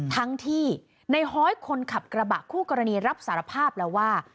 ทั้งที่ในฮ้อยคนขับกระบะคู่กรณีรับสารภาพแล้วว่า